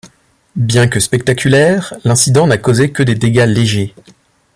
Bien que spectaculaire, l'incident n'a causé que des dégâts légers.